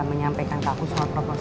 menyampaikan takut soal propertis